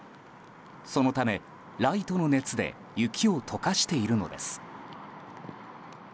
そのため、ライトの熱で雪を解かしているのです。